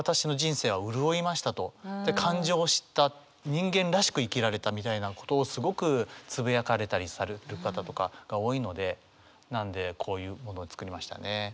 人間らしく生きられたみたいなことをすごくつぶやかれたりされる方とかが多いのでなんでこういうものを作りましたね。